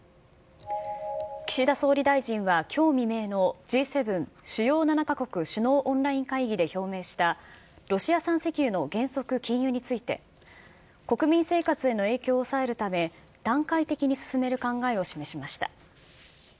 岸田総理大臣は、きょう未明のＧ７・主要７か国首脳オンライン会議で表明したロシア産石油の原則禁輸について、国民生活への影響を抑えるため、段階的に進める考えを示しました。